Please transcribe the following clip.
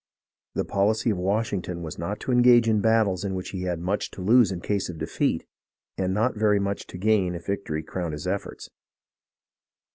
The policy of Washington was not to engage in battles in which he had much to lose in case of defeat, and not very much to gain if victory crowned his efforts.